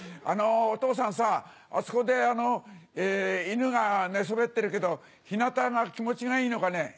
あのお父さんさ、あそこで犬が寝そべってるけど、ひなたが気持ちがいいのかね。